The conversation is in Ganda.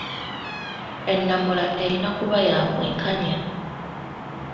Ennamula erina kuba ya bwenkanya.